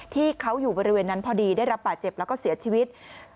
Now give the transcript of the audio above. ที่เขาอยู่บริเวณนั้นพอดีได้รับบาดเจ็บแล้วก็เสียชีวิต